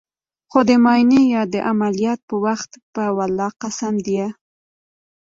خو د معاينې يا د عمليات په وخت په ولله قسم ديه.